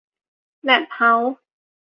แล็บเฮ้าส์